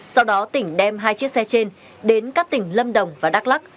sau đó tỉnh đem hai chiếc xe trên đến các tỉnh lâm đồng và đắk lắc